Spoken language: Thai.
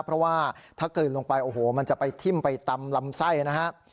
เพราะว่าถ้าเกิดลงไปโอ้โหมันจะไปทิ่มไปตำลำไส้นะฮะ